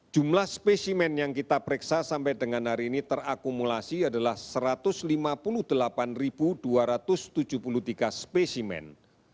jumlah spesimen yang kita periksa sampai dengan hari ini terakumulasi adalah satu ratus lima puluh delapan dua ratus tujuh puluh tiga spesimen